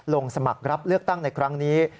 ลงสมัครรับเลือกตั้งในครั้งนี้